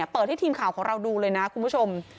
เปิดให้ทีมข่าวของเราดูเลยนะคุณผู้ชม